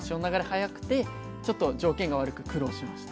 速くてちょっと条件が悪く苦労しました。